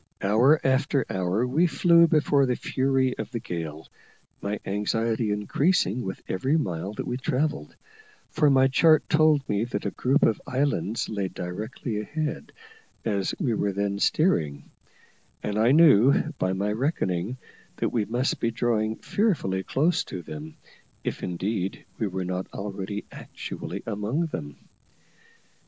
Hour after hour we flew before the fury of the gale, my anxiety increasing with every mile that we travelled, for my chart told me that a group of islands lay directly ahead as we were then steering; and I knew, by my reckoning, that we must be drawing fearfully close to them, if indeed we were not already actually among them.